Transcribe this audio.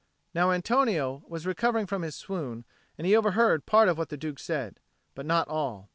Now Antonio was recovering from his swoon, and he overheard part of what the Duke said, but not all.